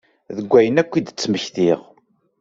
Deg wayen akk i d-ttmektiɣ.